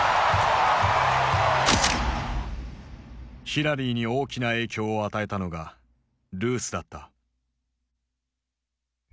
ヒラリーに大きな影響を与えたのがルースだった。